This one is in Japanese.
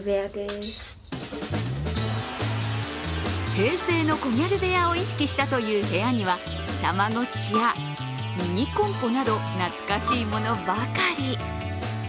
平成のコギャル部屋を意識したという部屋にはたまごっちやミニコンポなど懐かしいものばかり。